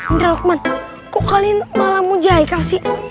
indra lukman kok kalian malah puji haikal sih